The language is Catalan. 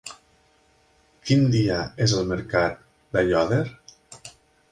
Quin dia és el mercat d'Aiòder?